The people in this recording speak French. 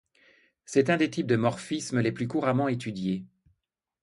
C'est un des types de morphismes les plus couramment étudiés.